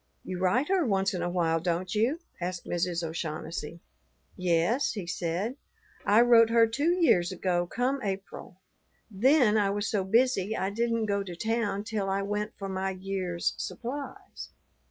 "You write her once in a while, don't you?" asked Mrs. O'Shaughnessy. "Yes," he said, "I wrote her two years ago come April; then I was so busy I didn't go to town till I went for my year's supplies.